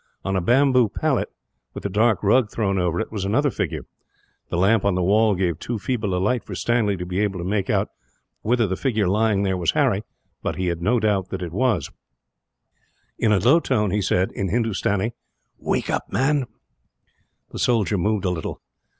On a bamboo pallet, with a dark rug thrown over it, was another figure. The lamp on the wall gave too feeble a light for Stanley to be able to make out whether the figure lying there was Harry, but he had no doubt that it was so. In a low tone he said, in Hindustani, "Wake up, man!" The soldier moved a little.